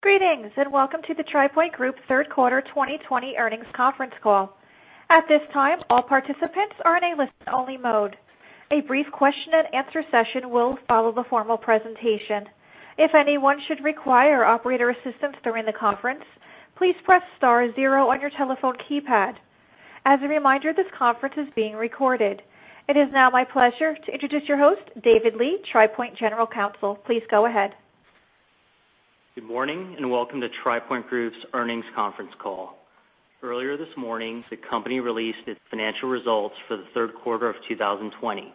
Greetings, and welcome to the TRI Pointe Group third quarter 2020 earnings conference call. At this time, all participants are in a listen-only mode. A brief question-and-answer session will follow the formal presentation. If anyone should require operator assistance during the conference, please press star zero on your telephone keypad. As a reminder, this conference is being recorded. It is now my pleasure to introduce your host, David Lee, TRI Pointe General Counsel. Please go ahead. Good morning, and welcome to TRI Pointe Group's earnings conference call. Earlier this morning, the company released its financial results for the third quarter of 2020.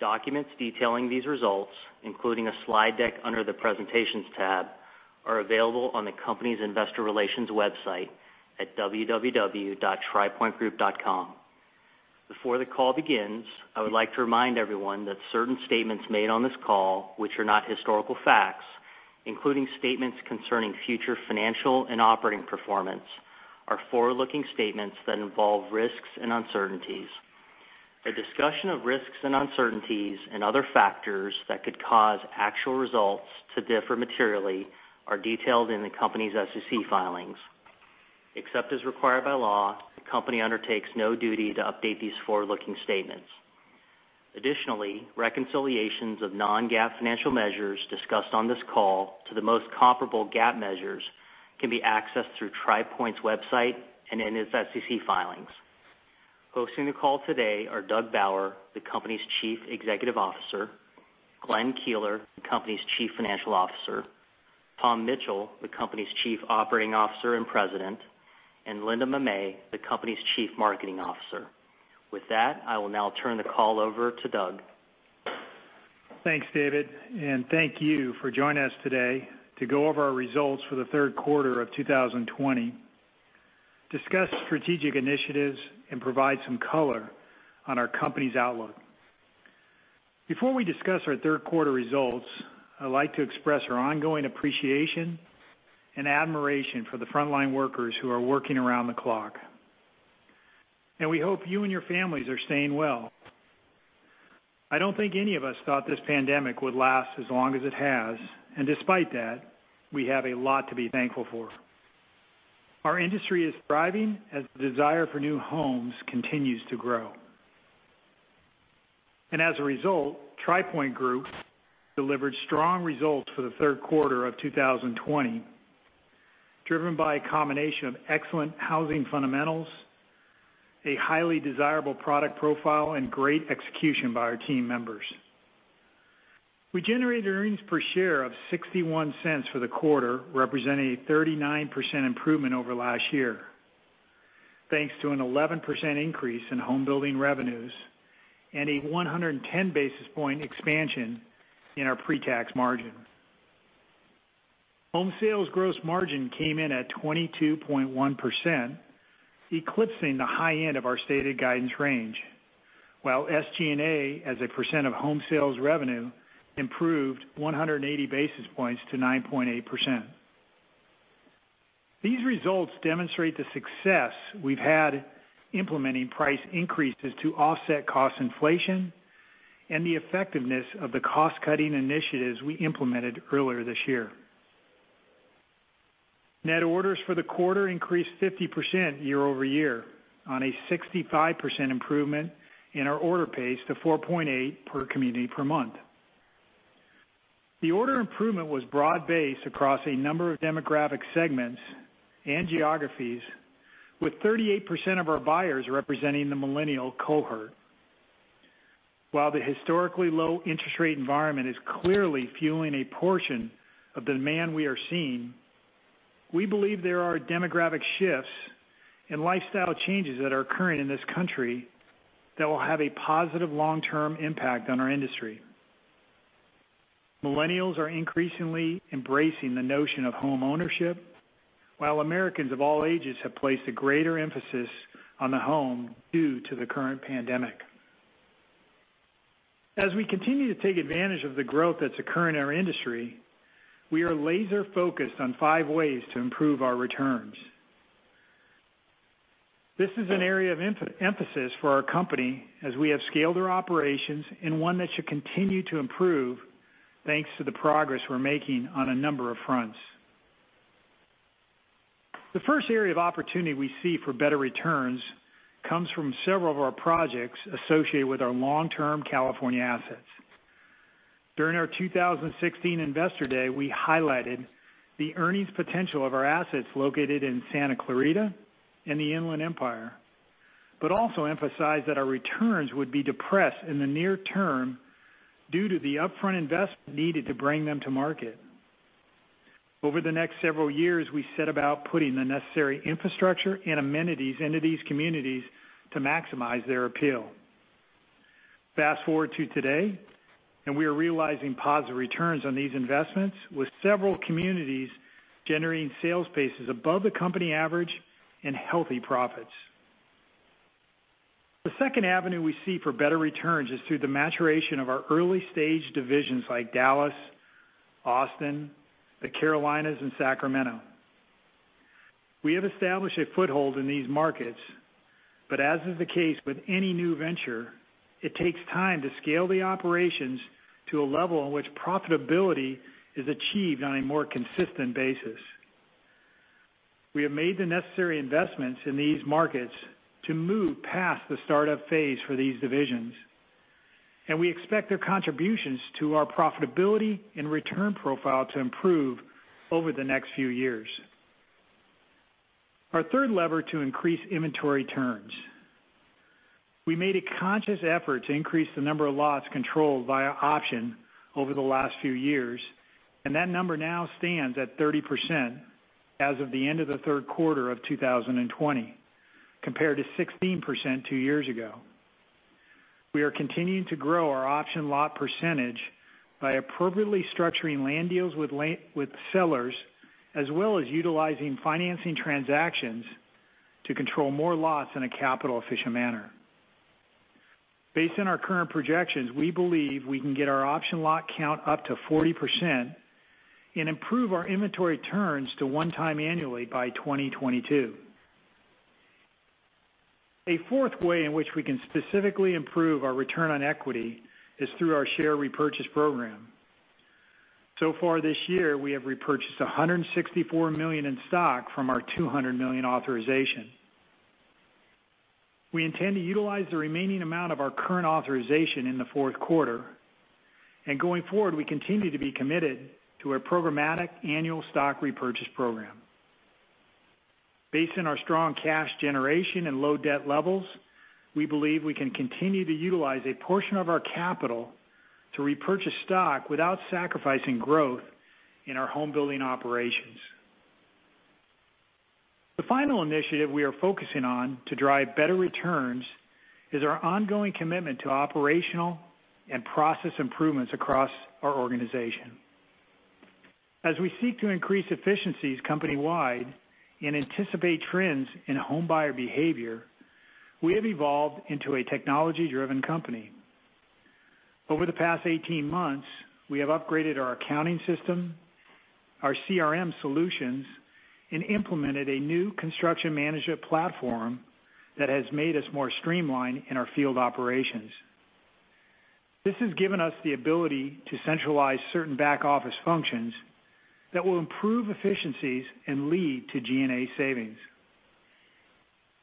Documents detailing these results, including a slide deck under the presentations tab, are available on the company's investor relations website at www.tripointegroup.com. Before the call begins, I would like to remind everyone that certain statements made on this call, which are not historical facts, including statements concerning future financial and operating performance, are forward-looking statements that involve risks and uncertainties. A discussion of risks and uncertainties and other factors that could cause actual results to differ materially are detailed in the company's SEC filings. Except as required by law, the company undertakes no duty to update these forward-looking statements. Additionally, reconciliations of non-GAAP financial measures discussed on this call to the most comparable GAAP measures can be accessed through TRI Pointe's website and in its SEC filings. Hosting the call today are Doug Bauer, the company's Chief Executive Officer, Glenn Keeler, the company's Chief Financial Officer, Tom Mitchell, the company's Chief Operating Officer and President, and Linda Mamet, the company's Chief Marketing Officer. With that, I will now turn the call over to Doug. Thanks, David, thank you for joining us today to go over our results for the third quarter of 2020, discuss strategic initiatives, and provide some color on our company's outlook. Before we discuss our third quarter results, I'd like to express our ongoing appreciation and admiration for the frontline workers who are working around the clock. We hope you and your families are staying well. I don't think any of us thought this pandemic would last as long as it has, and despite that, we have a lot to be thankful for. Our industry is thriving as the desire for new homes continues to grow. As a result, TRI Pointe Group delivered strong results for the third quarter of 2020, driven by a combination of excellent housing fundamentals, a highly desirable product profile, and great execution by our team members. We generated earnings per share of $0.61 for the quarter, representing a 39% improvement over last year, thanks to an 11% increase in home building revenues and a 110 basis point expansion in our pre-tax margin. Home sales gross margin came in at 22.1%, eclipsing the high end of our stated guidance range, while SG&A as a percent of home sales revenue improved 180 basis points to 9.8%. These results demonstrate the success we've had implementing price increases to offset cost inflation and the effectiveness of the cost-cutting initiatives we implemented earlier this year. Net orders for the quarter increased 50% year-over-year on a 65% improvement in our order pace to 4.8 per community per month. The order improvement was broad-based across a number of demographic segments and geographies, with 38% of our buyers representing the millennial cohort. While the historically low interest rate environment is clearly fueling a portion of the demand we are seeing, we believe there are demographic shifts and lifestyle changes that are occurring in this country that will have a positive long-term impact on our industry. Millennials are increasingly embracing the notion of homeownership, while Americans of all ages have placed a greater emphasis on the home due to the current pandemic. As we continue to take advantage of the growth that's occurring in our industry, we are laser-focused on five ways to improve our returns. This is an area of emphasis for our company as we have scaled our operations and one that should continue to improve, thanks to the progress we're making on a number of fronts. The first area of opportunity we see for better returns comes from several of our projects associated with our long-term California assets. During our 2016 Investor Day, we highlighted the earnings potential of our assets located in Santa Clarita and the Inland Empire, but also emphasized that our returns would be depressed in the near term due to the upfront investment needed to bring them to market. Over the next several years, we set about putting the necessary infrastructure and amenities into these communities to maximize their appeal. Fast-forward to today, and we are realizing positive returns on these investments, with several communities generating sales paces above the company average and healthy profits. The second avenue we see for better returns is through the maturation of our early-stage divisions like Dallas, Austin, the Carolinas, and Sacramento. We have established a foothold in these markets, but as is the case with any new venture, it takes time to scale the operations to a level in which profitability is achieved on a more consistent basis. We have made the necessary investments in these markets to move past the startup phase for these divisions, and we expect their contributions to our profitability and return profile to improve over the next few years. Our third lever to increase inventory turns. We made a conscious effort to increase the number of lots controlled via option over the last few years, and that number now stands at 30% as of the end of the third quarter of 2020, compared to 16% two years ago. We are continuing to grow our option lot percentage by appropriately structuring land deals with sellers, as well as utilizing financing transactions to control more lots in a capital-efficient manner. Based on our current projections, we believe we can get our option lot count up to 40% and improve our inventory turns to one time annually by 2022. A fourth way in which we can specifically improve our return on equity is through our share repurchase program. So far this year, we have repurchased $164 million in stock from our $200 million authorization. We intend to utilize the remaining amount of our current authorization in the fourth quarter. Going forward, we continue to be committed to our programmatic annual stock repurchase program. Based on our strong cash generation and low debt levels, we believe we can continue to utilize a portion of our capital to repurchase stock without sacrificing growth in our home building operations. The final initiative we are focusing on to drive better returns is our ongoing commitment to operational and process improvements across our organization. As we seek to increase efficiencies company-wide and anticipate trends in home buyer behavior, we have evolved into a technology-driven company. Over the past 18 months, we have upgraded our accounting system, our CRM solutions, and implemented a new construction management platform that has made us more streamlined in our field operations. This has given us the ability to centralize certain back-office functions that will improve efficiencies and lead to G&A savings.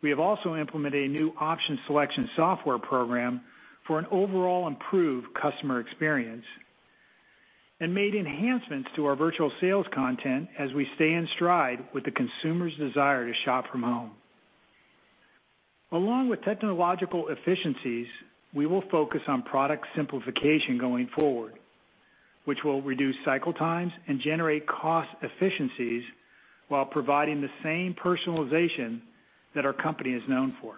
We have also implemented a new option selection software program for an overall improved customer experience and made enhancements to our virtual sales content as we stay in stride with the consumer's desire to shop from home. Along with technological efficiencies, we will focus on product simplification going forward, which will reduce cycle times and generate cost efficiencies while providing the same personalization that our company is known for.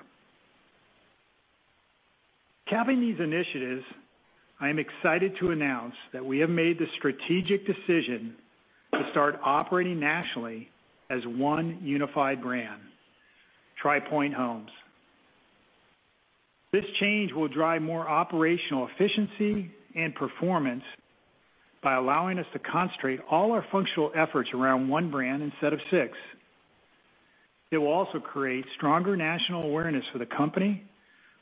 Capping these initiatives, I am excited to announce that we have made the strategic decision to start operating nationally as one unified brand, TRI Pointe Homes. This change will drive more operational efficiency and performance by allowing us to concentrate all our functional efforts around one brand instead of six. It will also create stronger national awareness for the company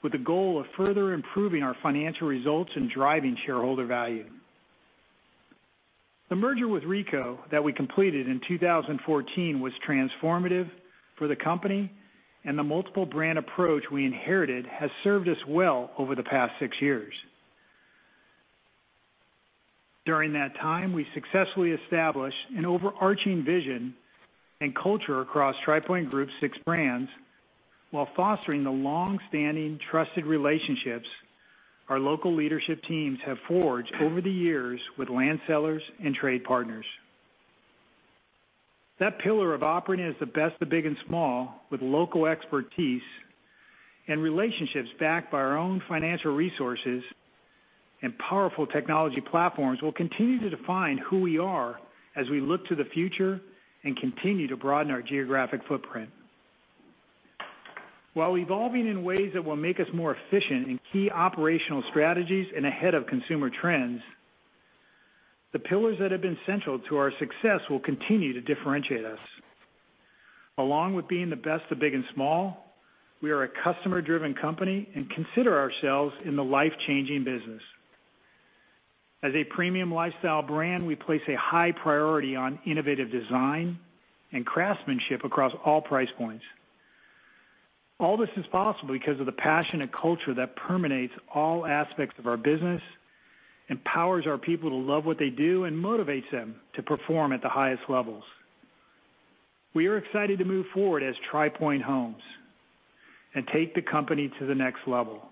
with the goal of further improving our financial results and driving shareholder value. The merger with WRECO that we completed in 2014 was transformative for the company, and the multiple brand approach we inherited has served us well over the past six years. During that time, we successfully established an overarching vision and culture across TRI Pointe Group's six brands while fostering the long-standing trusted relationships our local leadership teams have forged over the years with land sellers and trade partners. That pillar of operating as the best of big and small with local expertise and relationships backed by our own financial resources and powerful technology platforms will continue to define who we are as we look to the future and continue to broaden our geographic footprint. While evolving in ways that will make us more efficient in key operational strategies and ahead of consumer trends, the pillars that have been central to our success will continue to differentiate us. Along with being the best of big and small, we are a customer-driven company and consider ourselves in the life-changing business. As a premium lifestyle brand, we place a high priority on innovative design and craftsmanship across all price points. All this is possible because of the passionate culture that permeates all aspects of our business, empowers our people to love what they do, and motivates them to perform at the highest levels. We are excited to move forward as TRI Pointe Homes and take the company to the next level.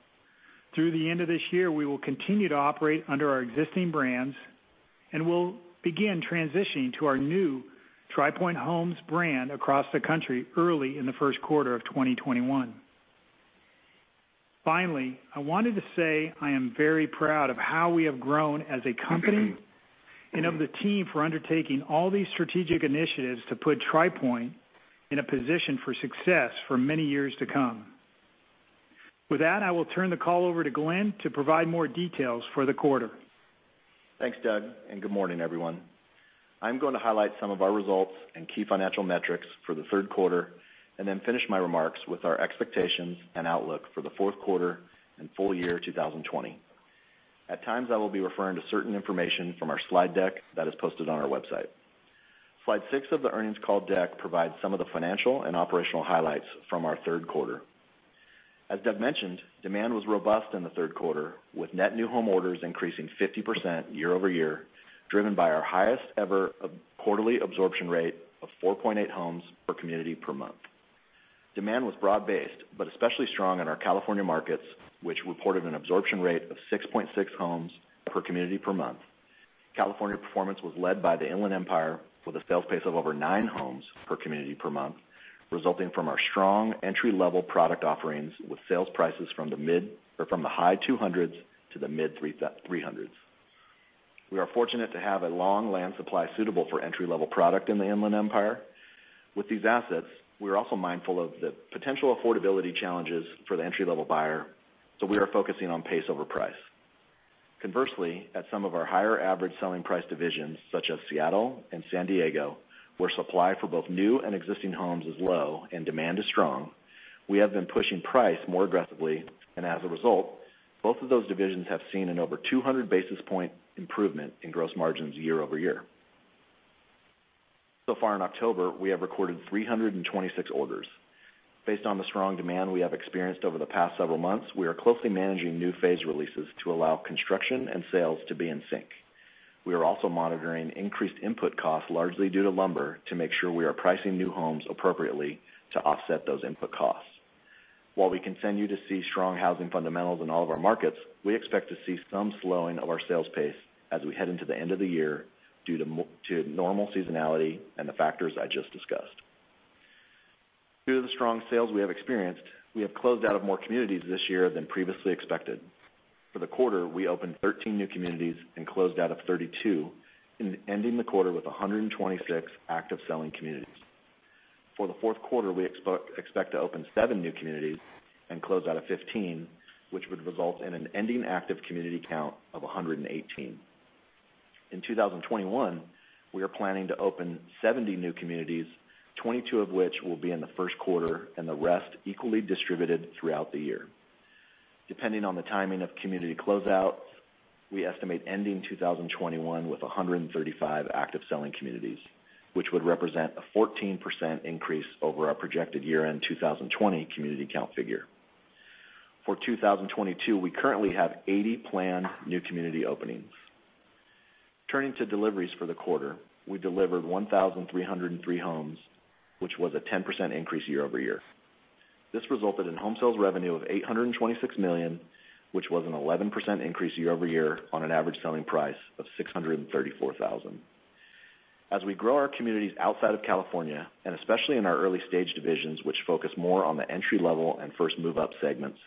Through the end of this year, we will continue to operate under our existing brands, and we'll begin transitioning to our new TRI Pointe Homes brand across the country early in the first quarter of 2021. I wanted to say I am very proud of how we have grown as a company and of the team for undertaking all these strategic initiatives to put TRI Pointe in a position for success for many years to come. With that, I will turn the call over to Glenn to provide more details for the quarter. Thanks, Doug, and good morning, everyone. I'm going to highlight some of our results and key financial metrics for the third quarter, and then finish my remarks with our expectations and outlook for the fourth quarter and full year 2020. At times, I will be referring to certain information from our slide deck that is posted on our website. Slide six of the earnings call deck provides some of the financial and operational highlights from our third quarter. As Doug mentioned, demand was robust in the third quarter, with net new home orders increasing 50% year-over-year, driven by our highest ever quarterly absorption rate of 4.8 homes per community per month. Demand was broad-based, but especially strong in our California markets, which reported an absorption rate of 6.6 homes per community per month. California performance was led by the Inland Empire with a sales pace of over nine homes per community per month, resulting from our strong entry-level product offerings with sales prices from the high $200s to the mid $300s. We are fortunate to have a long land supply suitable for entry-level product in the Inland Empire. With these assets, we are also mindful of the potential affordability challenges for the entry-level buyer, so we are focusing on pace over price. Conversely, at some of our higher average selling price divisions, such as Seattle and San Diego, where supply for both new and existing homes is low and demand is strong, we have been pushing price more aggressively, and as a result, both of those divisions have seen an over 200 basis point improvement in gross margins year-over-year. So far in October, we have recorded 326 orders. Based on the strong demand we have experienced over the past several months, we are closely managing new phase releases to allow construction and sales to be in sync. We are also monitoring increased input costs, largely due to lumber, to make sure we are pricing new homes appropriately to offset those input costs. While we continue to see strong housing fundamentals in all of our markets, we expect to see some slowing of our sales pace as we head into the end of the year due to normal seasonality and the factors I just discussed. Due to the strong sales we have experienced, we have closed out of more communities this year than previously expected. For the quarter, we opened 13 new communities and closed out of 32, ending the quarter with 126 active selling communities. For the fourth quarter, we expect to open seven new communities and close out of 15, which would result in an ending active community count of 118. In 2021, we are planning to open 70 new communities, 22 of which will be in the first quarter and the rest equally distributed throughout the year. Depending on the timing of community closeouts, we estimate ending 2021 with 135 active selling communities, which would represent a 14% increase over our projected year-end 2020 community count figure. For 2022, we currently have 80 planned new community openings. Turning to deliveries for the quarter, we delivered 1,303 homes, which was a 10% increase year-over-year. This resulted in home sales revenue of $826 million, which was an 11% increase year-over-year on an average selling price of $634,000. As we grow our communities outside of California, and especially in our early-stage divisions which focus more on the entry level and first move-up segments,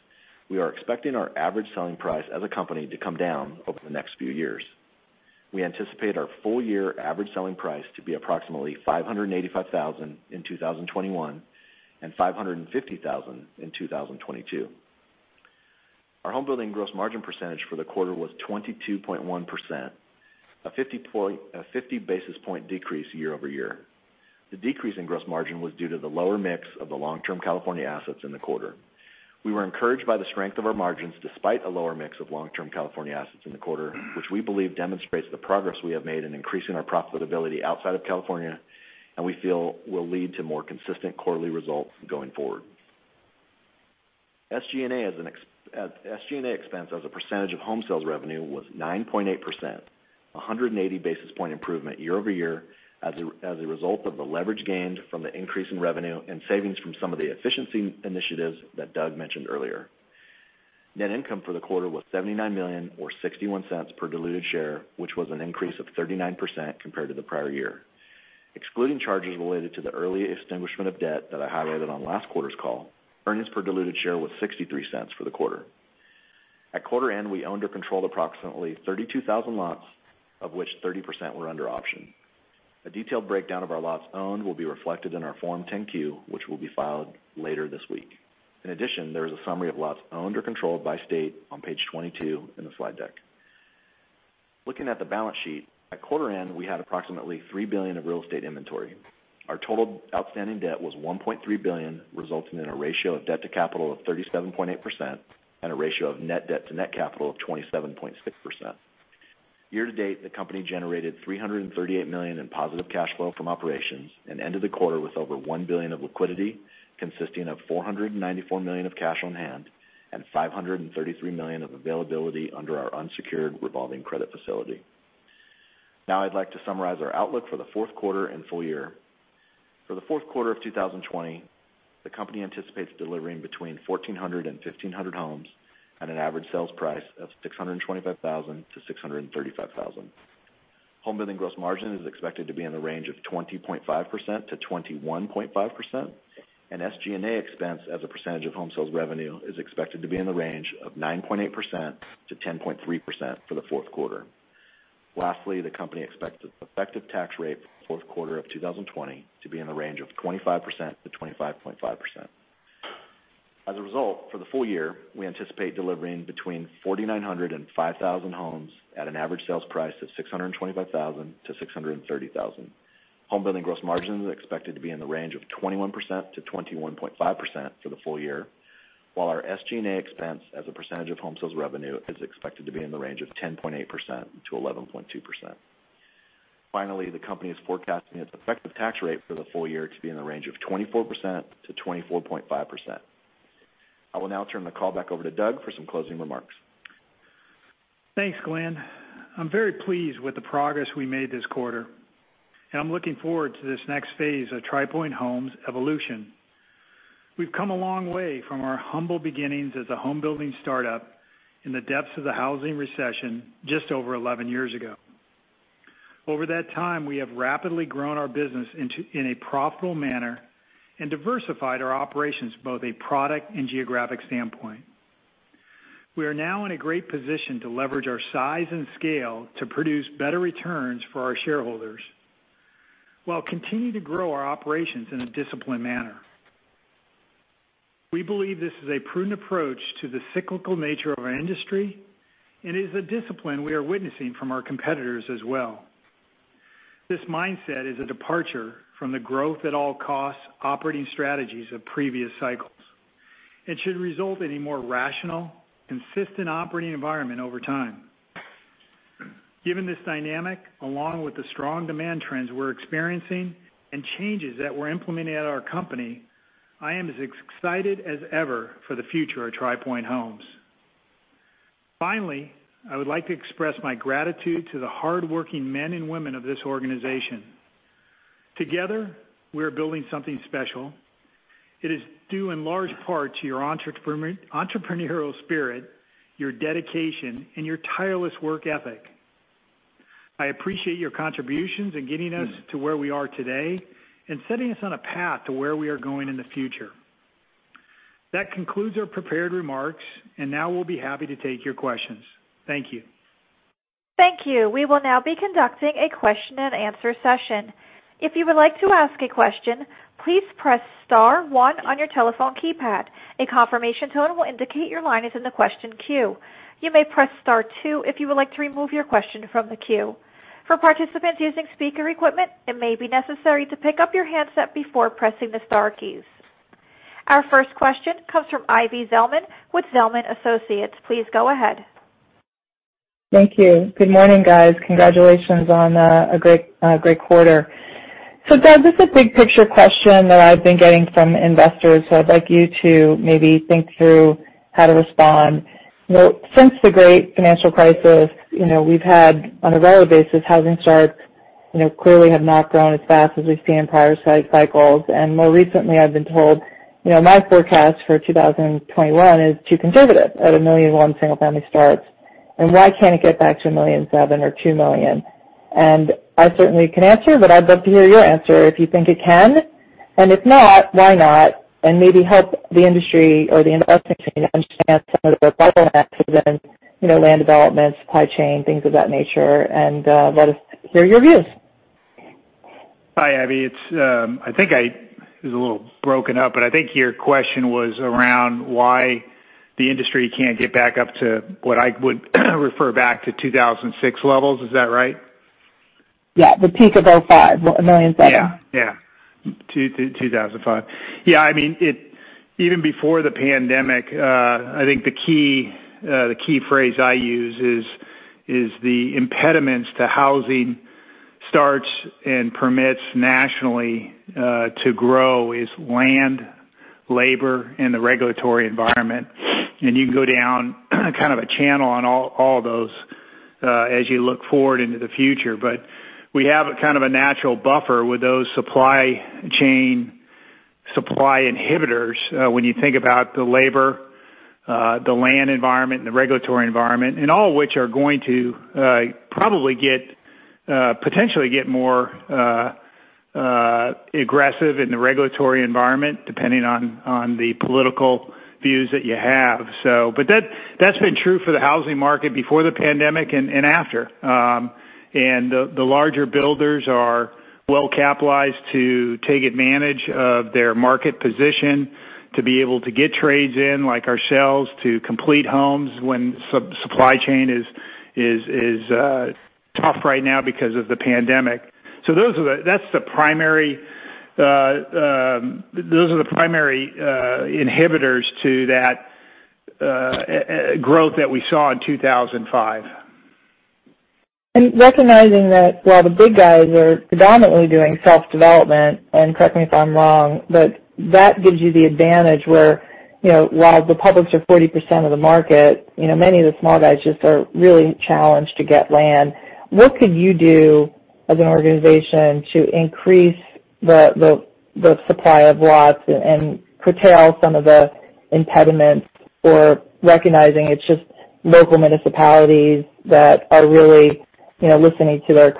we are expecting our average selling price as a company to come down over the next few years. We anticipate our full year average selling price to be approximately $585,000 in 2021 and $550,000 in 2022. Our homebuilding gross margin percentage for the quarter was 22.1%, a 50 basis point decrease year-over-year. The decrease in gross margin was due to the lower mix of the long-term California assets in the quarter. We were encouraged by the strength of our margins, despite a lower mix of long-term California assets in the quarter, which we believe demonstrates the progress we have made in increasing our profitability outside of California, and we feel will lead to more consistent quarterly results going forward. SG&A expense as a percentage of home sales revenue was 9.8%, a 180 basis points improvement year-over-year as a result of the leverage gained from the increase in revenue and savings from some of the efficiency initiatives that Doug mentioned earlier. Net income for the quarter was $79 million or $0.61 per diluted share, which was an increase of 39% compared to the prior year. Excluding charges related to the early extinguishment of debt that I highlighted on last quarter's call, earnings per diluted share was $0.63 for the quarter. At quarter end, we owned or controlled approximately 32,000 lots, of which 30% were under option. A detailed breakdown of our lots owned will be reflected in our Form 10-Q, which will be filed later this week. In addition, there is a summary of lots owned or controlled by state on page 22 in the slide deck. Looking at the balance sheet, at quarter end, we had approximately $3 billion of real estate inventory. Our total outstanding debt was $1.3 billion, resulting in a ratio of debt to capital of 37.8% and a ratio of net debt to net capital of 27.6%. Year-to-date, the company generated $338 million in positive cash flow from operations and ended the quarter with over $1 billion of liquidity, consisting of $494 million of cash on hand and $533 million of availability under our unsecured revolving credit facility. Now I'd like to summarize our outlook for the fourth quarter and full year. For the fourth quarter of 2020, the company anticipates delivering between 1,400 and 1,500 homes at an average sales price of $625,000-$635,000. Homebuilding gross margin is expected to be in the range of 20.5%-21.5%, and SG&A expense as a percentage of home sales revenue is expected to be in the range of 9.8%-10.3% for the fourth quarter. Lastly, the company expects its effective tax rate for the fourth quarter of 2020 to be in the range of 25%-25.5%. As a result, for the full year, we anticipate delivering between 4,900 and 5,000 homes at an average sales price of $625,000-$630,000. Home building gross margin is expected to be in the range of 21%-21.5% for the full year, while our SG&A expense as a percentage of home sales revenue is expected to be in the range of 10.8%-11.2%. Finally, the company is forecasting its effective tax rate for the full year to be in the range of 24%-24.5%. I will now turn the call back over to Doug for some closing remarks. Thanks, Glenn. I'm very pleased with the progress we made this quarter, and I'm looking forward to this next phase of TRI Pointe Homes' evolution. We've come a long way from our humble beginnings as a home building startup in the depths of the housing recession just over 11 years ago. Over that time, we have rapidly grown our business in a profitable manner and diversified our operations, both a product and geographic standpoint. We are now in a great position to leverage our size and scale to produce better returns for our shareholders, while continuing to grow our operations in a disciplined manner. We believe this is a prudent approach to the cyclical nature of our industry and is a discipline we are witnessing from our competitors as well. This mindset is a departure from the growth at all costs operating strategies of previous cycles and should result in a more rational, consistent operating environment over time. Given this dynamic, along with the strong demand trends we're experiencing and changes that were implemented at our company, I am as excited as ever for the future of TRI Pointe Homes. Finally, I would like to express my gratitude to the hardworking men and women of this organization. Together, we are building something special. It is due in large part to your entrepreneurial spirit, your dedication, and your tireless work ethic. I appreciate your contributions in getting us to where we are today and setting us on a path to where we are going in the future. That concludes our prepared remarks, and now we'll be happy to take your questions. Thank you. Thank you. We will now be conducting a question-and-answer session. Our first question comes from Ivy Zelman with Zelman & Associates. Please go ahead. Thank you. Good morning, guys. Congratulations on a great quarter. Doug, this is a big picture question that I've been getting from investors, so I'd like you to maybe think through how to respond. Since the great financial crisis, we've had, on a regular basis, housing starts clearly have not grown as fast as we've seen in prior cycles. More recently, I've been told my forecast for 2021 is too conservative at 1.1 million single-family starts, and why can't it get back to 1.7 million Or 2 million? I certainly can answer, but I'd love to hear your answer if you think it can. If not, why not? Maybe help the industry or the investment community understand some of the bottlenecks within land development, supply chain, things of that nature, and let us hear your views. Hi, Ivy. It was a little broken up, but I think your question was around why the industry can't get back up to what I would refer back to 2006 levels. Is that right? Yeah. The peak of 2005, 1.7 million. 2005. Even before the pandemic, I think the key phrase I use is the impediments to housing starts and permits nationally to grow is land, labor, and the regulatory environment. You can go down a channel on all of those as you look forward into the future. We have a natural buffer with those supply chain supply inhibitors when you think about the labor, the land environment, and the regulatory environment, and all which are going to probably potentially get more aggressive in the regulatory environment, depending on the political views that you have. That's been true for the housing market before the pandemic and after. The larger builders are well-capitalized to take advantage of their market position to be able to get trades in, like ourselves, to complete homes when supply chain is tough right now because of the pandemic. Those are the primary inhibitors to that growth that we saw in 2005. Recognizing that while the big guys are predominantly doing self-development, and correct me if I'm wrong, but that gives you the advantage where while the publics are 40% of the market, many of the small guys just are really challenged to get land. What could you do as an organization to increase the supply of lots and curtail some of the impediments or recognizing it's just local municipalities that are really listening to their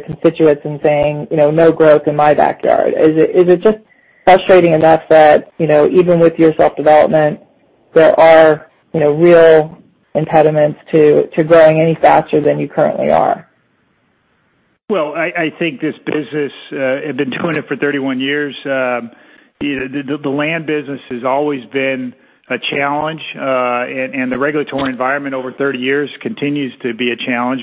constituents and saying, No growth in my backyard. Is it just frustrating enough that even with your self-development, there are real impediments to growing any faster than you currently are? Well, I think this business, I've been doing it for 31 years. The land business has always been a challenge, and the regulatory environment over 30 years continues to be a challenge.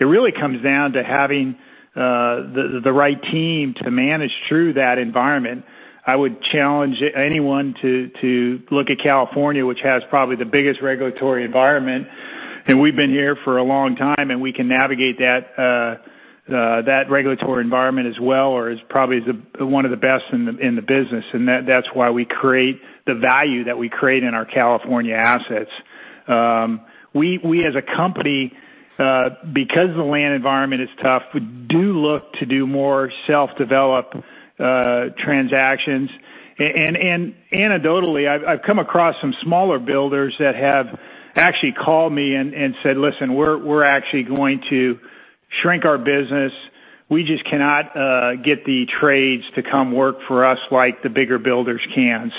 It really comes down to having the right team to manage through that environment. I would challenge anyone to look at California, which has probably the biggest regulatory environment, and we've been here for a long time, and we can navigate that regulatory environment as well, or is probably one of the best in the business. That's why we create the value that we create in our California assets. We, as a company, because the land environment is tough, we do look to do more self-develop transactions. Anecdotally, I've come across some smaller builders that have actually called me and said, Listen, we're actually going to shrink our business. We just cannot get the trades to come work for us like the bigger builders can.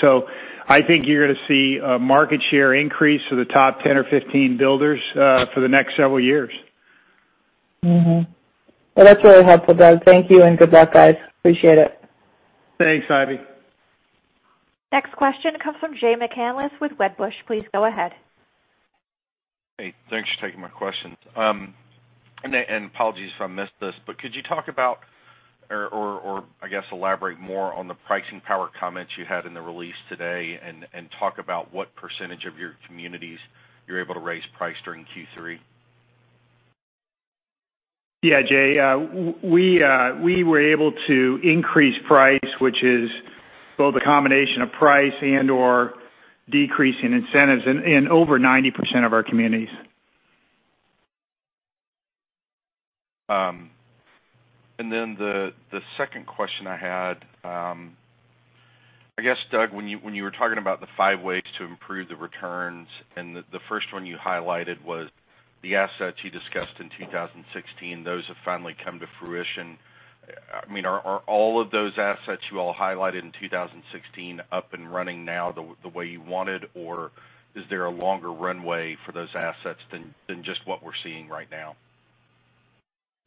I think you're going to see a market share increase for the top 10 or 15 builders for the next several years. That's really helpful, Doug. Thank you, and good luck, guys. Appreciate it. Thanks, Ivy. Next question comes from Jay McCanless with Wedbush. Please go ahead. Hey, thanks for taking my questions. Apologies if I missed this, but could you talk about or, I guess, elaborate more on the pricing power comments you had in the release today and talk about what percentage of your communities you're able to raise price during Q3? Yeah, Jay. We were able to increase price, which is both a combination of price and/or decrease in incentives in over 90% of our communities. The second question I had, I guess, Doug, when you were talking about the five ways to improve the returns, and the first one you highlighted was the assets you discussed in 2016, those have finally come to fruition. Are all of those assets you all highlighted in 2016 up and running now the way you wanted, or is there a longer runway for those assets than just what we're seeing right now?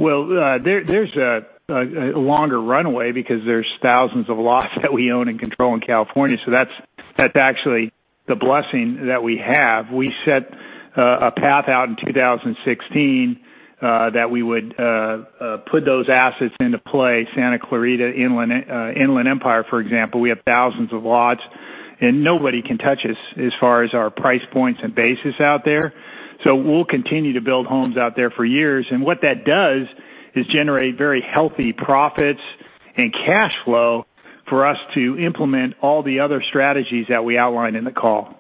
There's a longer runway because there's thousands of lots that we own and control in California, so that's actually the blessing that we have. We set a path out in 2016, that we would put those assets into play. Santa Clarita, Inland Empire, for example, we have thousands of lots, and nobody can touch us as far as our price points and basis out there. We'll continue to build homes out there for years. What that does is generate very healthy profits and cash flow for us to implement all the other strategies that we outlined in the call.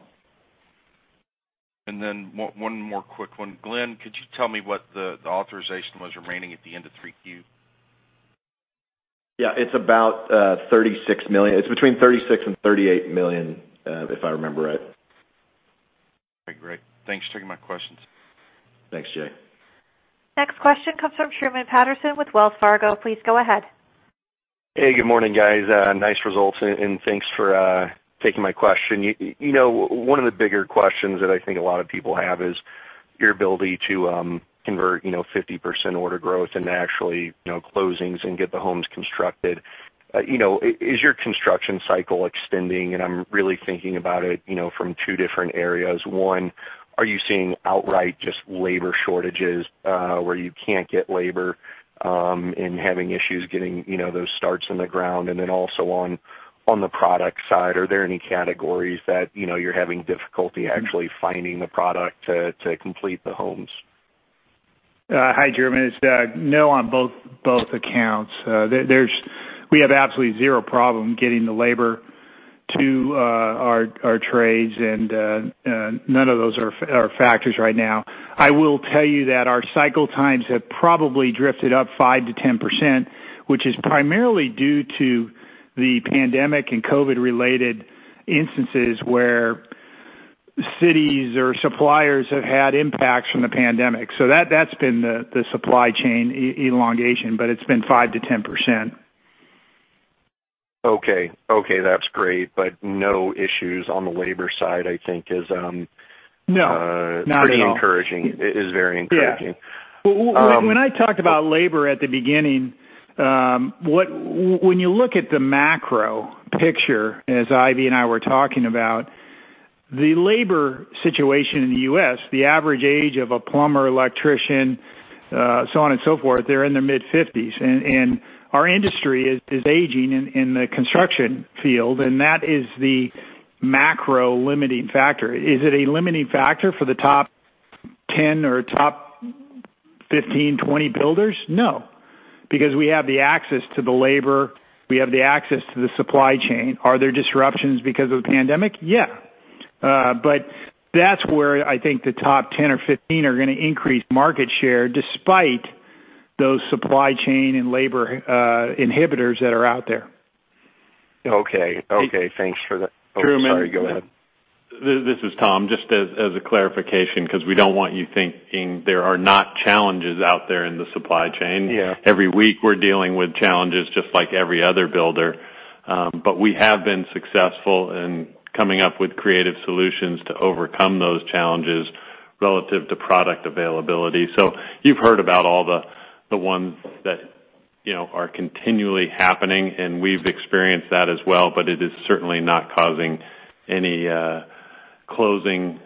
One more quick one. Glenn, could you tell me what the authorization was remaining at the end of 3Q? Yeah, it's about $36 million. It's between $36 million and $38 million, if I remember right. Great. Thanks for taking my questions. Thanks, Jay. Next question comes from Truman Patterson with Wells Fargo. Please go ahead. Hey, good morning, guys. Nice results. Thanks for taking my question. One of the bigger questions that I think a lot of people have is your ability to convert 50% order growth into actually closings and get the homes constructed. Is your construction cycle extending? I'm really thinking about it from two different areas. One, are you seeing outright just labor shortages, where you can't get labor, and having issues getting those starts in the ground? Then also on the product side, are there any categories that you're having difficulty actually finding the product to complete the homes? Hi, Truman, it's Doug. No, on both accounts. We have absolutely zero problem getting the labor to our trades, and none of those are factors right now. I will tell you that our cycle times have probably drifted up 5%-10%, which is primarily due to the pandemic and COVID-related instances where cities or suppliers have had impacts from the pandemic. That's been the supply chain elongation, but it's been 5%-10%. Okay. That's great. No issues on the labor side, I think. No, not at all. pretty encouraging. Is very encouraging. Yeah. When I talked about labor at the beginning, when you look at the macro picture, as Ivy and I were talking about, the labor situation in the U.S., the average age of a plumber, electrician, so on and so forth, they're in their mid-50s. Our industry is aging in the construction field, and that is the macro limiting factor. Is it a limiting factor for the top 10 or top 15, 20 builders? No, because we have the access to the labor, we have the access to the supply chain. Are there disruptions because of the pandemic? Yeah. That's where I think the top 10 or 15 are going to increase market share despite those supply chain and labor inhibitors that are out there. Okay. Thanks for that. Truman- Oh, sorry, go ahead. This is Tom. Just as a clarification, because we don't want you thinking there are not challenges out there in the supply chain. Yeah. Every week we're dealing with challenges just like every other builder. We have been successful in coming up with creative solutions to overcome those challenges relative to product availability. You've heard about all the ones that are continually happening, and we've experienced that as well, but it is certainly not causing any closing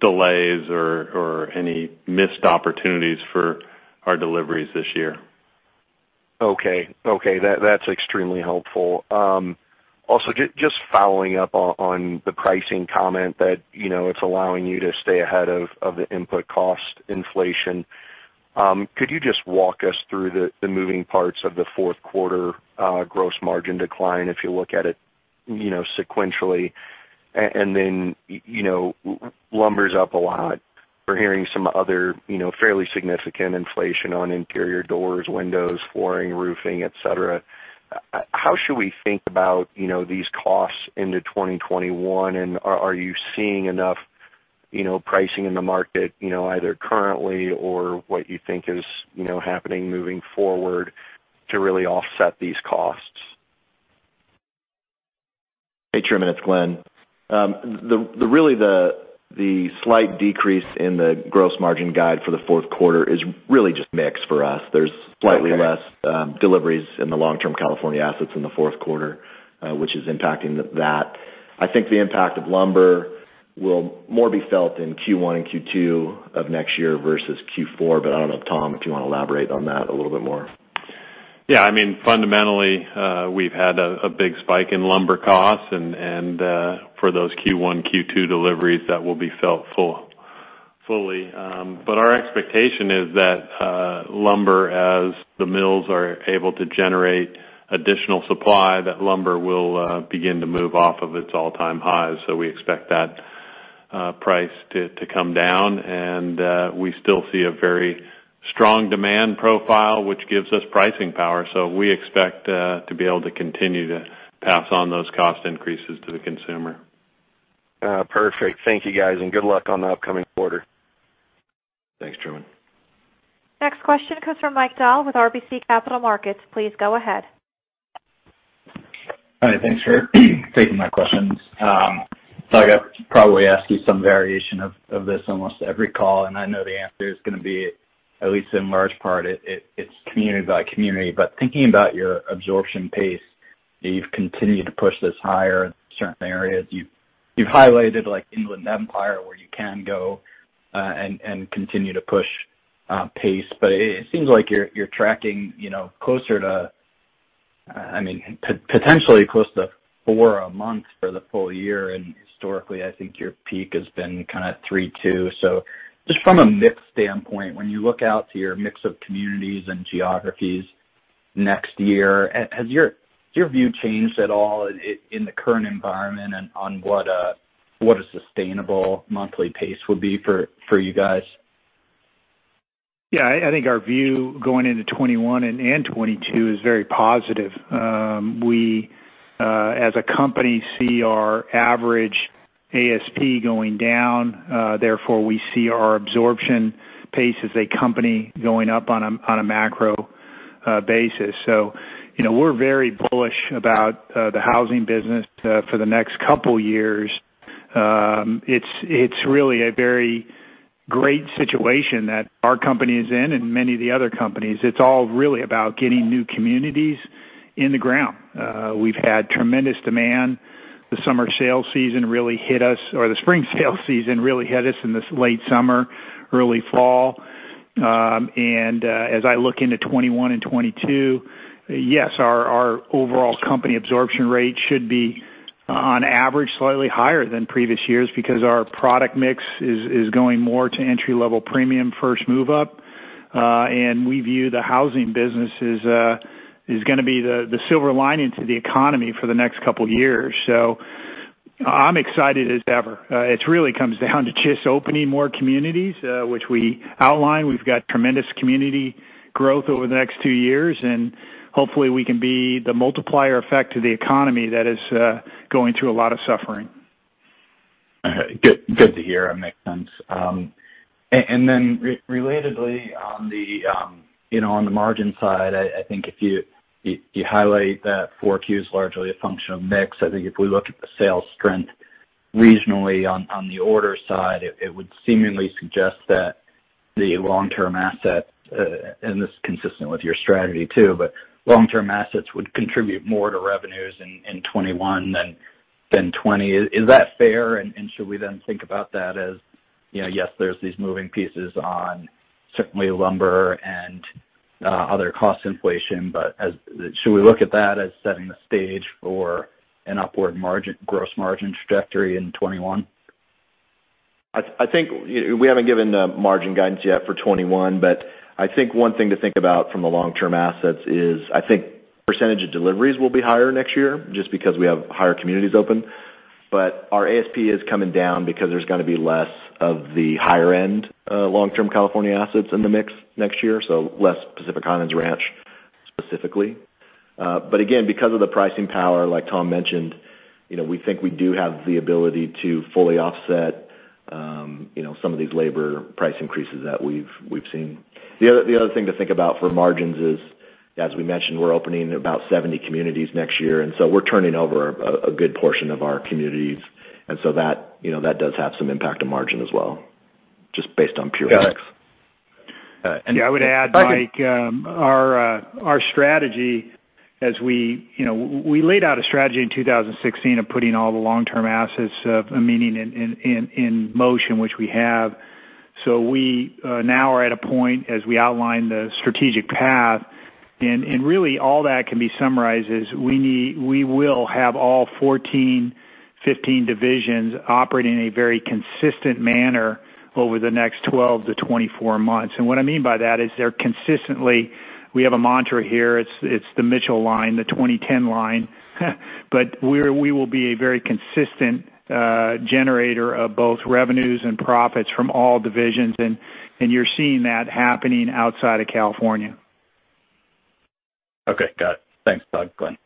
delays or any missed opportunities for our deliveries this year. Okay. That's extremely helpful. Just following up on the pricing comment that it's allowing you to stay ahead of the input cost inflation. Could you just walk us through the moving parts of the fourth quarter gross margin decline, if you look at it sequentially and then lumber's up a lot. We're hearing some other fairly significant inflation on interior doors, windows, flooring, roofing, et cetera. How should we think about these costs into 2021? Are you seeing enough pricing in the market, either currently or what you think is happening moving forward to really offset these costs? Hey, Truman, it's Glenn. Really the slight decrease in the gross margin guide for the fourth quarter is really just mix for us. Okay. There's slightly less deliveries in the long-term California assets in the fourth quarter, which is impacting that. I think the impact of lumber will more be felt in Q1 and Q2 of next year versus Q4. I don't know if, Tom, if you want to elaborate on that a little bit more. Yeah. Fundamentally, we've had a big spike in lumber costs, and for those Q1, Q2 deliveries, that will be felt fully. Our expectation is that lumber, as the mills are able to generate additional supply, that lumber will begin to move off of its all-time highs. We expect that price to come down, and we still see a very strong demand profile, which gives us pricing power. We expect to be able to continue to pass on those cost increases to the consumer. Perfect. Thank you, guys, and good luck on the upcoming quarter. Thanks, Truman. Next question comes from Mike Dahl with RBC Capital Markets. Please go ahead. Hi. Thanks for taking my questions. Thought I'd probably ask you som e variation of this almost every call. I know the answer is going to be, at least in large part, it's community by community. Thinking about your absorption pace, you've continued to push this higher in certain areas. You've highlighted like Inland Empire, where you can go, and continue to push pace. It seems like you're tracking potentially close to four a month for the full year. Historically, I think your peak has been kind of 3.2. Just from a mix standpoint, when you look out to your mix of communities and geographies next year, has your view changed at all in the current environment and on what a sustainable monthly pace would be for you guys? Yeah, I think our view going into 2021 and 2022 is very positive. We, as a company, see our average ASP going down, therefore, we see our absorption pace as a company going up on a macro basis. We're very bullish about the housing business for the next couple of years. It's really a very great situation that our company is in and many of the other companies. It's all really about getting new communities in the ground. We've had tremendous demand. The spring sale season really hit us in this late summer, early fall. As I look into 2021 and 2022, yes, our overall company absorption rate should be, on average, slightly higher than previous years because our product mix is going more to entry-level premium first move up. We view the housing business is going to be the silver lining to the economy for the next couple of years. I'm excited as ever. It really comes down to just opening more communities, which we outlined. We've got tremendous community growth over the next two years, and hopefully we can be the multiplier effect to the economy that is going through a lot of suffering. Okay. Good to hear. That makes sense. Then relatedly, on the margin side, I think if you highlight that 4Q is largely a function of mix. I think if we look at the sales strength regionally on the order side, it would seemingly suggest that the long-term assets, and this is consistent with your strategy too, but long-term assets would contribute more to revenues in 2021 than 2020. Is that fair? Should we then think about that as, yes, there's these moving pieces on certainly lumber and other cost inflation, but should we look at that as setting the stage for an upward gross margin trajectory in 2021? We haven't given the margin guidance yet for 2021, but I think one thing to think about from the long-term assets is, I think percentage of deliveries will be higher next year just because we have higher communities open. Our ASP is coming down because there's going to be less of the higher-end long-term California assets in the mix next year, so less Pacific Highlands Ranch, specifically. Again, because of the pricing power, like Tom mentioned, we think we do have the ability to fully offset some of these labor price increases that we've seen. The other thing to think about for margins is, as we mentioned, we're opening about 70 communities next year, and so we're turning over a good portion of our communities, and so that does have some impact on margin as well, just based on pure mix. Got it. Yeah, I would add, Mike, our strategy, we laid out a strategy in 2016 of putting all the long-term assets, meaning in motion, which we have. We now are at a point as we outline the strategic path, and really all that can be summarized is we will have all 14, 15 divisions operating in a very consistent manner over the next 12-24 months. What I mean by that is we have a mantra here, it's the Mitchell line, the 20/10 line, we will be a very consistent generator of both revenues and profits from all divisions. You're seeing that happening outside of California. Okay. Got it. Thanks, Doug, Glenn.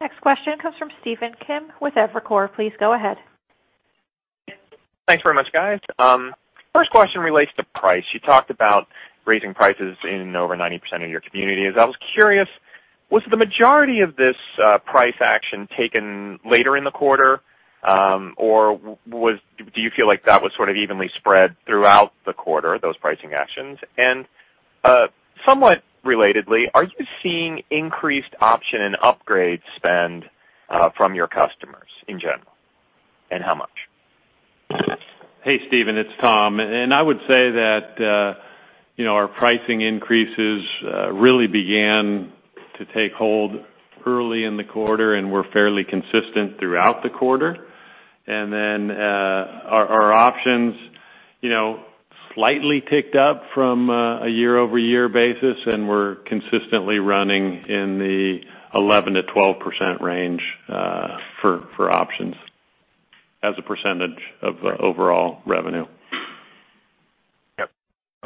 Next question comes from Stephen Kim with Evercore. Please go ahead. Thanks very much, guys. First question relates to price. You talked about raising prices in over 90% of your communities. I was curious, was the majority of this price action taken later in the quarter, or do you feel like that was sort of evenly spread throughout the quarter, those pricing actions? Somewhat relatedly, are you seeing increased option and upgrade spend from your customers in general, and how much? Hey, Stephen, it's Tom. I would say that our pricing increases really began to take hold early in the quarter and were fairly consistent throughout the quarter. Our options slightly ticked up from a year-over-year basis, and we're consistently running in the 11%-12% range for options as a percentage of overall revenue. Yep.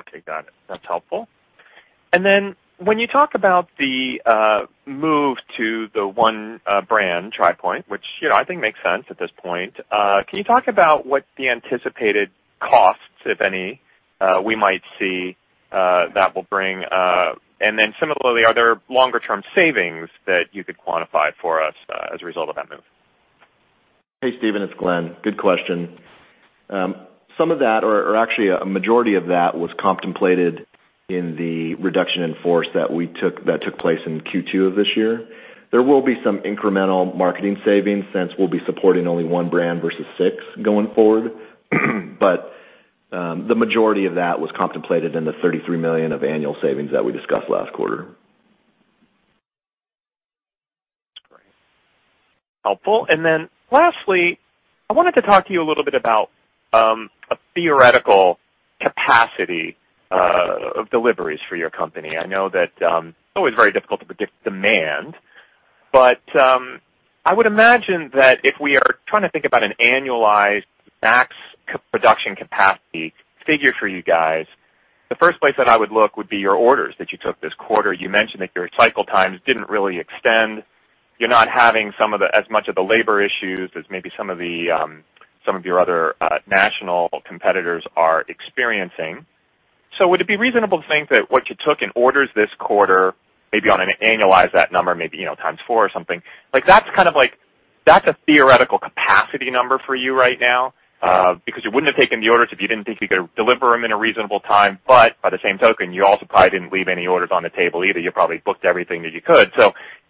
Okay. Got it. That's helpful. When you talk about the move to the one brand, TRI Pointe, which I think makes sense at this point, can you talk about what the anticipated costs, if any, we might see that will bring? Similarly, are there longer term savings that you could quantify for us as a result of that move? Hey, Stephen, it's Glenn. Good question. Some of that, or actually a majority of that, was contemplated in the reduction in force that took place in Q2 of this year. There will be some incremental marketing savings since we'll be supporting only one brand versus six going forward. The majority of that was contemplated in the $33 million of annual savings that we discussed last quarter. Great. Helpful. Lastly, I wanted to talk to you a little bit about a theoretical capacity of deliveries for your company. I know that it's always very difficult to predict demand, but I would imagine that if we are trying to think about an annualized max production capacity figure for you guys, the first place that I would look would be your orders that you took this quarter. You mentioned that your cycle times didn't really extend. You're not having as much of the labor issues as maybe some of your other national competitors are experiencing. Would it be reasonable to think that what you took in orders this quarter, maybe on an annualize that number, maybe times four or something, like that's a theoretical capacity number for you right now? You wouldn't have taken the orders if you didn't think you could deliver them in a reasonable time. By the same token, you also probably didn't leave any orders on the table either. You probably booked everything that you could.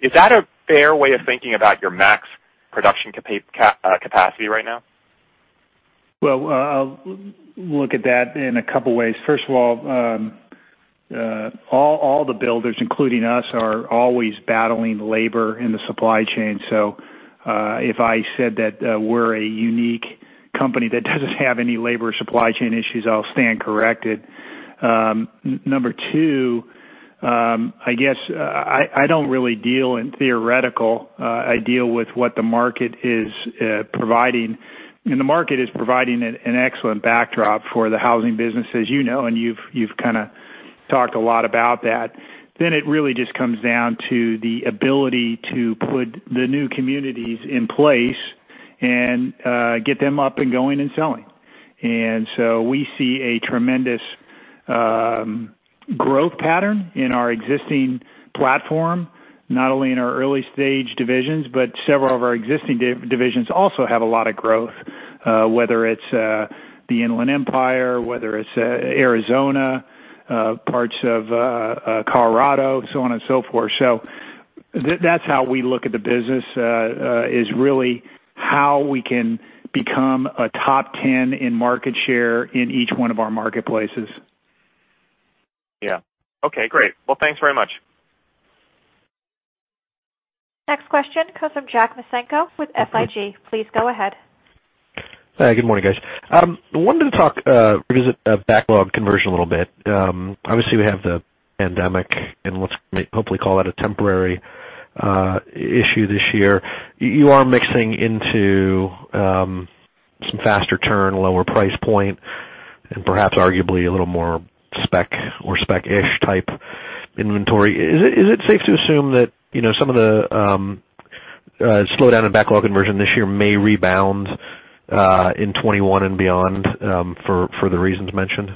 Is that a fair way of thinking about your max production capacity right now? Look at that in a couple ways. First of all the builders, including us, are always battling labor in the supply chain. If I said that we're a unique company that doesn't have any labor supply chain issues, I'll stand corrected. Number two, I guess I don't really deal in theoretical. I deal with what the market is providing, and the market is providing an excellent backdrop for the housing business, as you know, and you've kind of talked a lot about that. It really just comes down to the ability to put the new communities in place and get them up and going and selling. We see a tremendous growth pattern in our existing platform, not only in our early stage divisions, but several of our existing divisions also have a lot of growth, whether it's the Inland Empire, whether it's Arizona, parts of Colorado, so on and so forth. That's how we look at the business, is really how we can become a top 10 in market share in each one of our marketplaces. Yeah. Okay, great. Thanks very much. Next question comes from Jack Micenko with SIG. Please go ahead. Good morning, guys. I wanted to revisit backlog conversion a little bit. Obviously, we have the pandemic, and let's hopefully call that a temporary issue this year. You are mixing into some faster turn, lower price point, perhaps arguably a little more spec or spec-ish type inventory. Is it safe to assume that some of the slowdown in backlog conversion this year may rebound in 2021 and beyond for the reasons mentioned?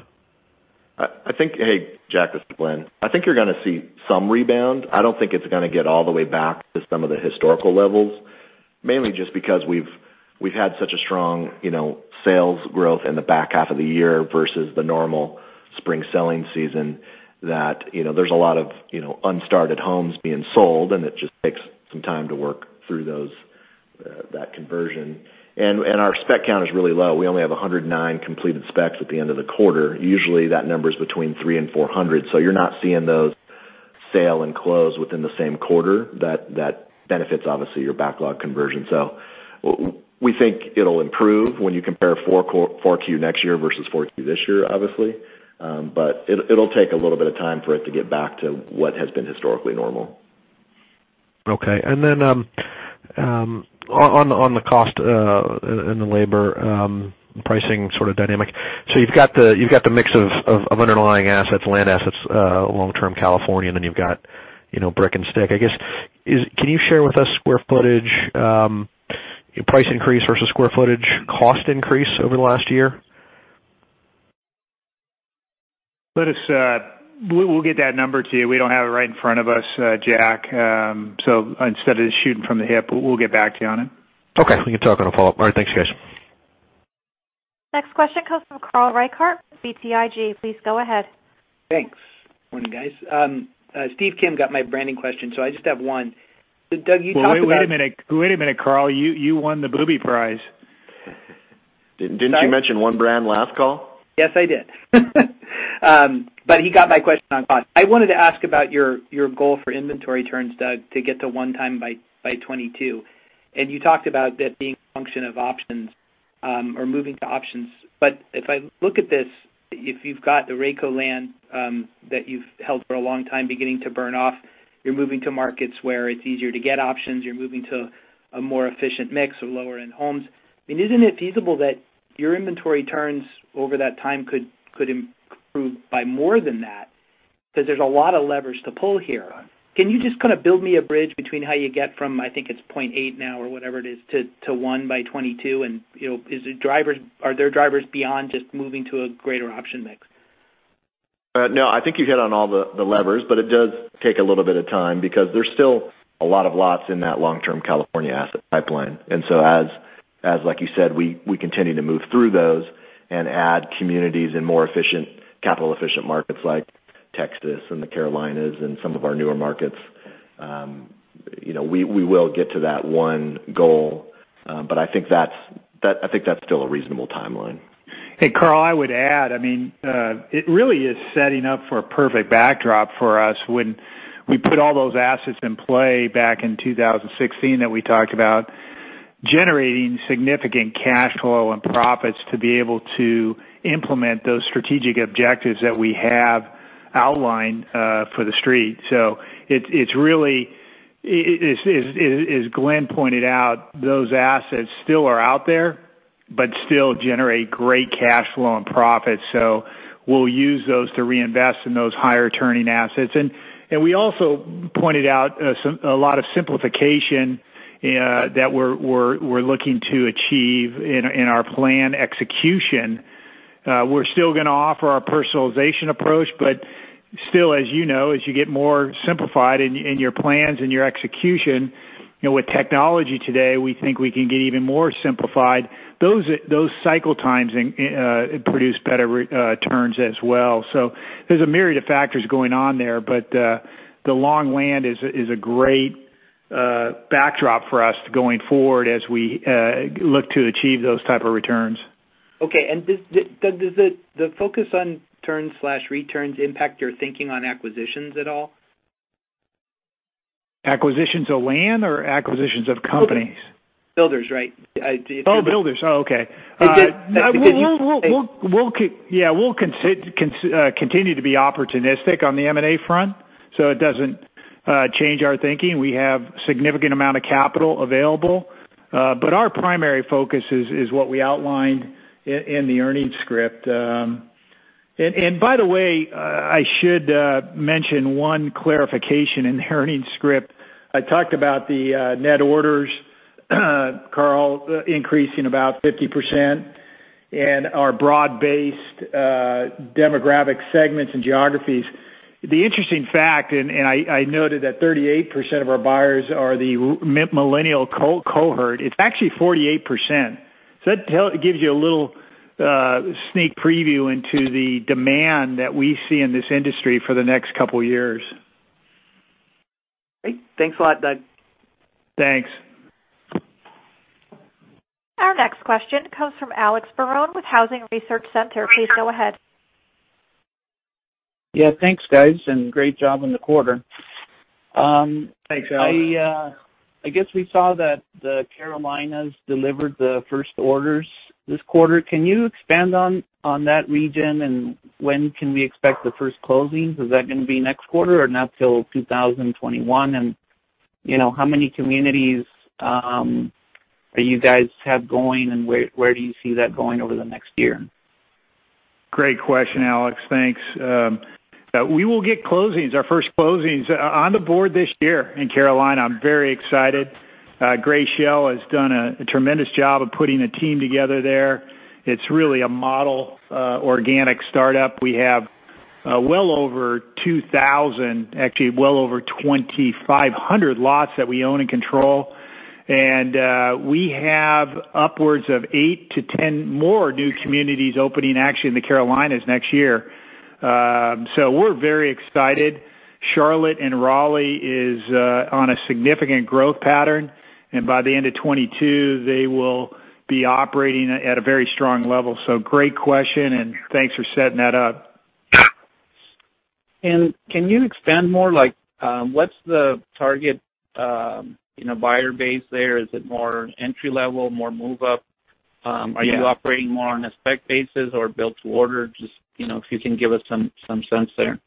Hey, Jack, this is Glenn. I think you're going to see some rebound. I don't think it's going to get all the way back to some of the historical levels. Mainly just because we've had such a strong sales growth in the back half of the year versus the normal spring selling season that there's a lot of unstarted homes being sold, and it just takes some time to work through that conversion. Our spec count is really low. We only have 109 completed specs at the end of the quarter. Usually, that number is between 300 and 400, so you're not seeing those sale and close within the same quarter. That benefits, obviously, your backlog conversion. We think it'll improve when you compare 4Q next year versus 4Q this year, obviously. It'll take a little bit of time for it to get back to what has been historically normal. Okay. On the cost and the labor pricing sort of dynamic. You've got the mix of underlying assets, land assets, long-term California, and you've got brick and stick. I guess, can you share with us square footage, price increase versus square footage cost increase over the last year? We'll get that number to you. We don't have it right in front of us, Jack. Instead of shooting from the hip, we'll get back to you on it. Okay. We can talk on a follow-up. All right. Thanks, guys. Next question comes from Carl Reichardt with BTIG. Please go ahead. Thanks. Morning, guys. Steve Kim got my branding question, so I just have one. Doug, you talked about- Well, wait a minute, Carl. You won the booby prize. Didn't you mention one brand last call? Yes, I did. He got my question on cost. I wanted to ask about your goal for inventory turns, Doug, to get to one time by 2022. You talked about that being a function of options or moving to options. If I look at this, if you've got the WRECO land that you've held for a long time beginning to burn off, you're moving to markets where it's easier to get options, you're moving to a more efficient mix of lower-end homes. I mean, isn't it feasible that your inventory turns over that time could improve by more than that? Because there's a lot of levers to pull here. Can you just kind of build me a bridge between how you get from, I think it's 0.8 now or whatever it is, to one by 2022? Are there drivers beyond just moving to a greater option mix? No, I think you hit on all the levers, but it does take a little bit of time because there's still a lot of lots in that long-term California asset pipeline. As, like you said, we continue to move through those and add communities in more capital-efficient markets like Texas and the Carolinas and some of our newer markets. We will get to that one goal. I think that's still a reasonable timeline. Hey, Carl, I would add, it really is setting up for a perfect backdrop for us when we put all those assets in play back in 2016 that we talked about generating significant cash flow and profits to be able to implement those strategic objectives that we have outlined for the Street. It's really, as Glenn pointed out, those assets still are out there but still generate great cash flow and profit. We'll use those to reinvest in those higher-turning assets. We also pointed out a lot of simplification that we're looking to achieve in our plan execution. We're still going to offer our personalization approach, but still, as you know, as you get more simplified in your plans and your execution, with technology today, we think we can get even more simplified. Those cycle times produce better returns as well. There's a myriad of factors going on there, but the long land is a great backdrop for us going forward as we look to achieve those type of returns. Okay. Does the focus on turns/returns impact your thinking on acquisitions at all? Acquisitions of land or acquisitions of companies? Builders. Right. Oh, builders. Oh, okay. Because you said- We'll continue to be opportunistic on the M&A front. It doesn't change our thinking. We have significant amount of capital available. Our primary focus is what we outlined in the earnings script. By the way, I should mention one clarification in the earnings script. I talked about the net orders, Carl, increasing about 50%, and our broad-based demographic segments and geographies. The interesting fact, and I noted that 38% of our buyers are the millennial cohort, it's actually 48%. That gives you a little sneak preview into the demand that we see in this industry for the next couple of years. Great. Thanks a lot, Doug. Thanks. Our next question comes from Alex Barron with Housing Research Center. Please go ahead. Yeah. Thanks, guys, and great job on the quarter. Thanks, Alex. I guess we saw that the Carolinas delivered the first orders this quarter. Can you expand on that region and when can we expect the first closings? Is that going to be next quarter or not till 2021? How many communities do you guys have going, and where do you see that going over the next year? Great question, Alex. Thanks. We will get our first closings on the board this year in Carolina. I'm very excited. Gray Shell has done a tremendous job of putting a team together there. It's really a model organic startup. We have well over 2,000, actually well over 2,500 lots that we own and control. We have upwards of 8-10 more new communities opening, actually, in the Carolinas next year. We're very excited. Charlotte and Raleigh is on a significant growth pattern, and by the end of 2022, they will be operating at a very strong level. Great question, and thanks for setting that up. Can you expand more? What's the target buyer base there? Is it more entry level, more move up? Yeah. Are you operating more on a spec basis or build to order? Just if you can give us some sense there.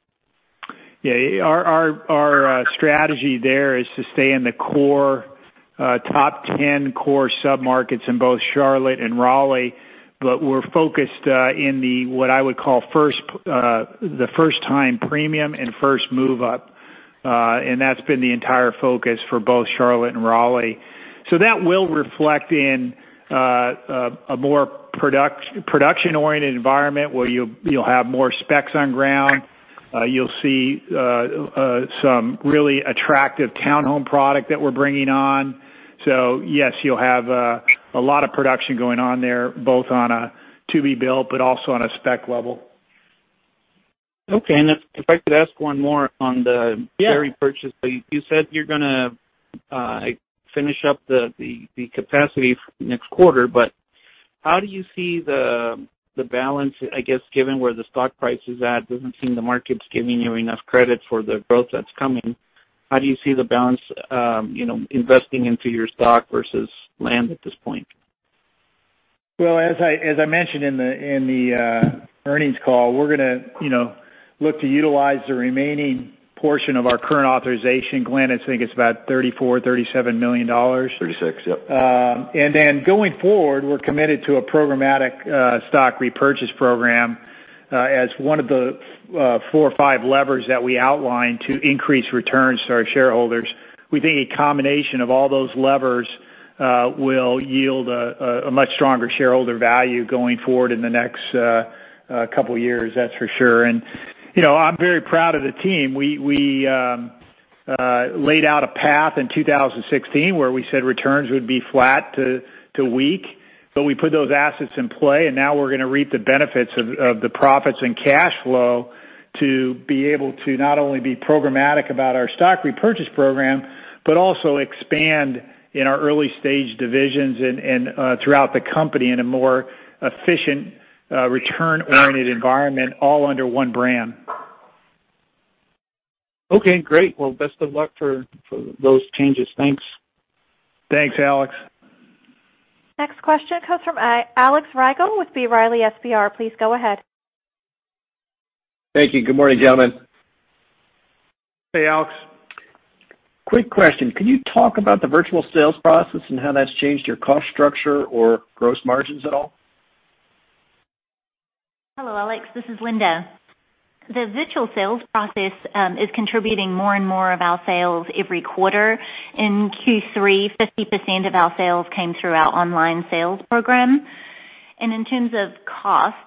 Our strategy there is to stay in the top 10 core sub-markets in both Charlotte and Raleigh, but we're focused in the, what I would call, the first time premium and first move up. That's been the entire focus for both Charlotte and Raleigh. That will reflect in a more production-oriented environment where you'll have more specs on ground. You'll see some really attractive town home product that we're bringing on. Yes, you'll have a lot of production going on there, both on a to-be built, but also on a spec level. Okay. If I could ask one more on the Yeah share repurchase. You said you're going to finish up the capacity next quarter, but how do you see the balance, I guess, given where the stock price is at, doesn't seem the market's giving you enough credit for the growth that's coming? How do you see the balance investing into your stock versus land at this point? As I mentioned in the earnings call, we're going to look to utilize the remaining portion of our current authorization. Glenn, I think it's about $34 million, $37 million. $36 million, yep. Then going forward, we're committed to a programmatic stock repurchase program as one of the four or five levers that we outlined to increase returns to our shareholders. We think a combination of all those levers will yield a much stronger shareholder value going forward in the next couple of years, that's for sure. I'm very proud of the team. We laid out a path in 2016 where we said returns would be flat to weak, but we put those assets in play, and now we're going to reap the benefits of the profits and cash flow to be able to not only be programmatic about our stock repurchase program, but also expand in our early-stage divisions and throughout the company in a more efficient return-oriented environment, all under one brand. Okay, great. Well, best of luck for those changes. Thanks. Thanks, Alex. Next question comes from Alex Rygiel with B. Riley FBR. Please go ahead. Thank you. Good morning, gentlemen. Hey, Alex. Quick question. Could you talk about the virtual sales process and how that's changed your cost structure or gross margins at all? Hello, Alex. This is Linda. The virtual sales process is contributing more and more of our sales every quarter. In Q3, 50% of our sales came through our online sales program. In terms of costs,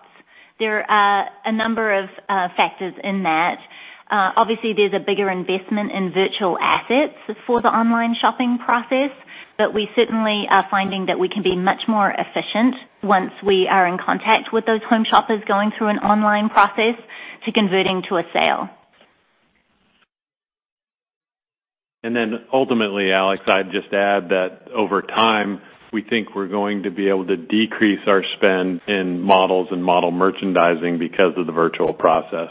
there are a number of factors in that. Obviously, there's a bigger investment in virtual assets for the online shopping process, but we certainly are finding that we can be much more efficient once we are in contact with those home shoppers going through an online process to converting to a sale. Ultimately, Alex, I'd just add that over time, we think we're going to be able to decrease our spend in models and model merchandising because of the virtual process.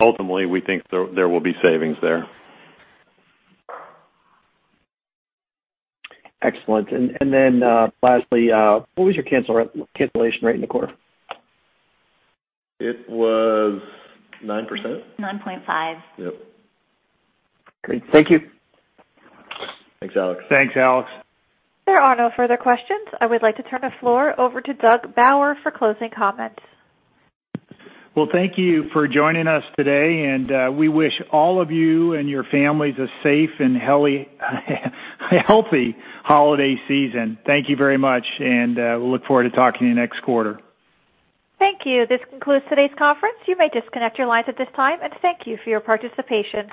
Ultimately, we think there will be savings there. Excellent. Lastly, what was your cancellation rate in the quarter? It was 9%. 9.5%. Yep. Great. Thank you. Thanks, Alex. Thanks, Alex. There are no further questions. I would like to turn the floor over to Doug Bauer for closing comments. Well, thank you for joining us today. We wish all of you and your families a safe and healthy holiday season. Thank you very much. We look forward to talking to you next quarter. Thank you. This concludes today's conference. You may disconnect your lines at this time, and thank you for your participation.